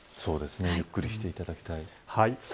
ゆっくりしていただきたいです。